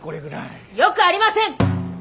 よくありません！